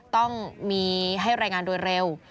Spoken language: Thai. ต้องมีให้รายงานโดยเร็ว